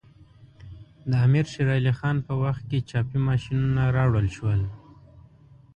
د امیر شیر علی خان په وخت کې چاپي ماشینونه راوړل شول.